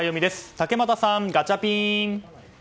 竹俣さん、ガチャピン。